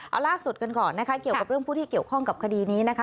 เอาล่าสุดกันก่อนนะคะเกี่ยวกับเรื่องผู้ที่เกี่ยวข้องกับคดีนี้นะคะ